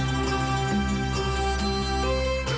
โอ้โหโอ้โหโอ้โหโอ้โห